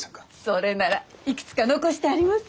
それならいくつか残してあります。